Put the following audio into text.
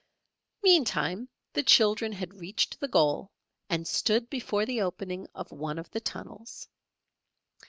Meantime the children had reached the goal and stood before the opening of one of the tunnels.